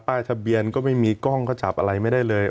ทะเบียนก็ไม่มีกล้องก็จับอะไรไม่ได้เลย